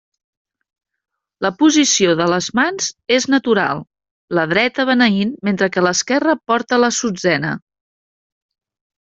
La posició de les mans és natural, la dreta beneint mentre que l'esquerra porta l'assutzena.